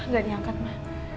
gak diangkat ma